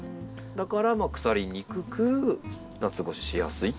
だから腐りにくく夏越ししやすいと。